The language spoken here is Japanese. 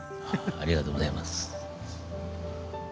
ありがとうございます。